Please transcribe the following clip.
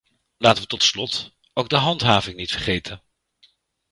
Laten we tot slot ook de handhaving niet vergeten.